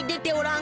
ん？